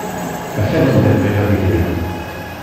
Atan anda bɣiɣ ad idireɣ!